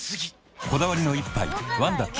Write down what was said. こだわりの一杯「ワンダ極」